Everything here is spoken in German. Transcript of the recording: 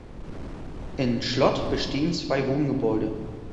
In Schlott bestehen zwei Wohngebäude.